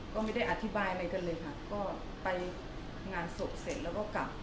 ก็ไม่ได้อธิบายอะไรกันเลยค่ะก็ไปงานศพเสร็จแล้วก็กลับ